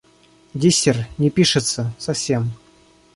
Диссер не пишется, совсем.